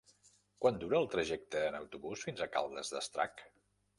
Quant dura el trajecte en autobús fins a Caldes d'Estrac?